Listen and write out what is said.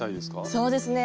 そうですね